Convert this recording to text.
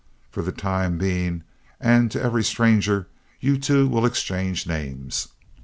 For the time being and to every stranger, you two will exchange names.